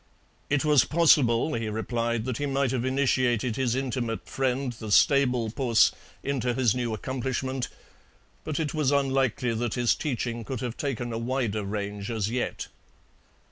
It was possible, he replied, that he might have initiated his intimate friend the stable puss into his new accomplishment, but it was unlikely that his teaching could have taken a wider range as yet.